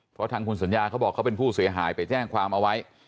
เพราะทางคุณสัญญาเขาบอกเขาเป็นผู้เสียหายไปแจ้งความเอาไว้